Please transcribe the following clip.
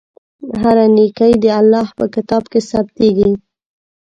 هره نېکۍ د الله په کتاب کې ثبتېږي.